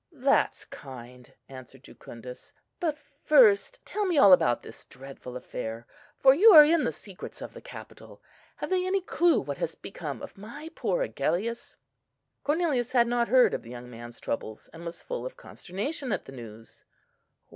"That's kind!" answered Jucundus: "but first tell me all about this dreadful affair; for you are in the secrets of the Capitol. Have they any clue what has become of my poor Agellius?" Cornelius had not heard of the young man's troubles, and was full of consternation at the news.